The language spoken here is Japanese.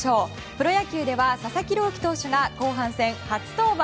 プロ野球では佐々木朗希投手が後半戦初登板！